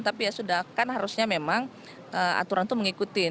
tapi ya sudah kan harusnya memang aturan itu mengikuti